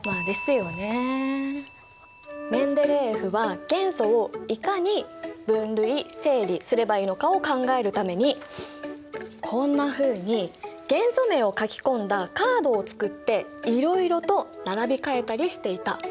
メンデレーエフは元素をいかに分類整理すればいいのかを考えるためにこんなふうに元素名を書き込んだカードをつくっていろいろと並び替えたりしていた。